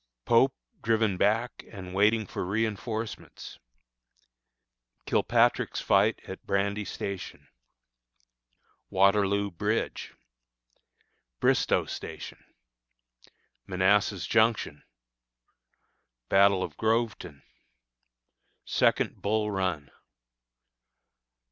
Pope driven back and waiting for Reinforcements. Kilpatrick's Fight at Brandy Station. Waterloo Bridge. Bristoe Station. Manassas Junction. Battle of Groveton. Second Bull Run.